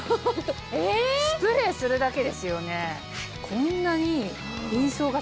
スプレーするだけですよね？